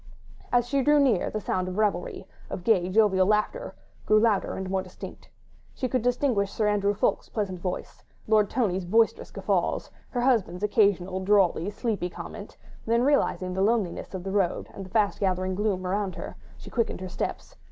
As she drew near, the sound of revelry, of gay, jovial laughter, grew louder and more distinct. She could distinguish Sir Andrew Ffoulkes' pleasant voice, Lord Tony's boisterous guffaws, her husband's occasional, drawly, sleepy comments; then realising the loneliness of the road and the fast gathering gloom round her, she quickened her steps